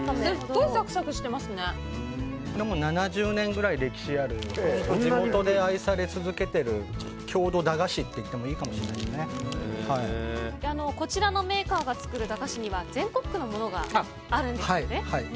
これ７０年ぐらい歴史のある本当に地元で愛され続けている郷土駄菓子といってもこちらのメーカーが作る駄菓子には全国区のものがあるんですね。